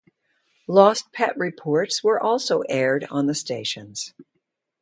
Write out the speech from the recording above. Lost pet reports were also aired on the stations.